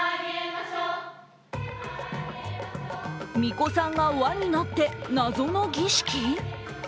巫女さんが輪になって謎の儀式？